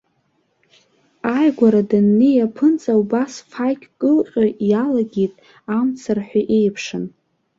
Ааигәара даннеи аԥынҵа убас фақьк кылҟьо иалагеит, амца рҳәы еиԥшын.